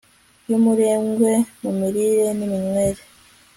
yumurengwe mu mirire niminywere